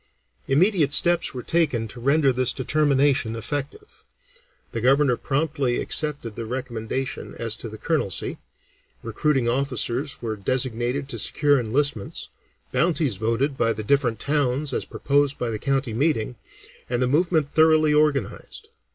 Immediate steps were taken to render this determination effective; the Governor promptly accepted the recommendation as to the colonelcy, recruiting officers were designated to secure enlistments, bounties voted by the different towns as proposed by the county meeting, and the movement thoroughly organized.